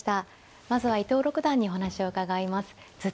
まずは伊藤六段にお話を伺います。